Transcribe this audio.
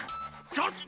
ちょっと！